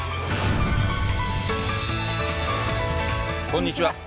こんにちは。